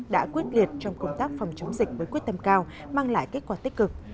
đã quyết liệt trong công tác phòng chống dịch với quyết tâm cao mang lại kết quả tích cực